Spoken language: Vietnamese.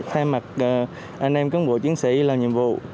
thay mặt anh em cán bộ chiến sĩ làm nhiệm vụ